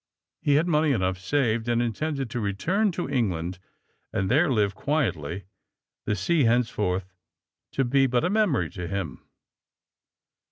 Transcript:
He had money enough saved, and intended to return to England and there live quietly, the sea, henceforth, to be but a memory to him.